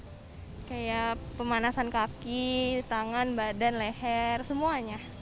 kayak pemanasan kaki tangan badan leher semuanya